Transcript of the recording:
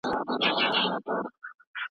جينۍ زما لپاره واخله قدمونه